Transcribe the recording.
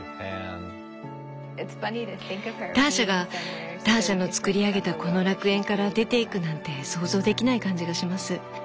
ターシャがターシャのつくり上げたこの楽園から出ていくなんて想像できない感じがします。